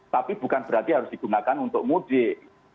tapi bukan berarti harus digunakan untuk mudik